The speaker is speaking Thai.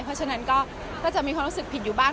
เพราะฉะนั้นก็จะมีความรู้สึกผิดอยู่บ้าง